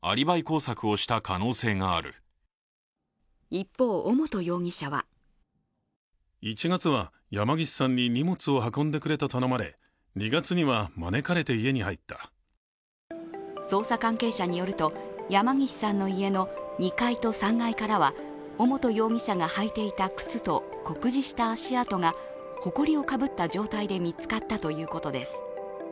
一方、尾本容疑者は捜査関係者によると、山岸さんの家の２階と３階からは尾本容疑者が履いていた靴と酷似した足跡がほこりをかぶった状態で見つかったということです。